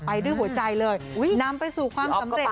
ด้วยหัวใจเลยนำไปสู่ความสำเร็จ